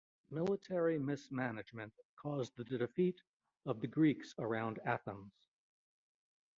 Military mismanagement caused the defeat of the Greeks round Athens.